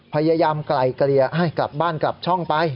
พยายามไกลเกลี่ยให้กลับบ้านกลับช่องไป